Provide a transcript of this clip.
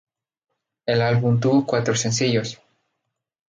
El álbum tuvo cuatro sencillos.